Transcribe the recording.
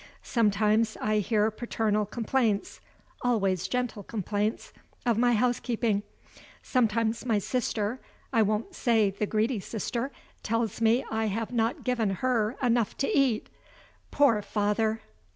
Sometimes I hear paternal complaints (always gentle complaints) of my housekeeping; sometimes my sister (I won't say the greedy sister) tells me I have not given her enough to eat. Poor father!